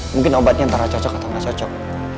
mungkin obatnya antara cocok atau nggak cocok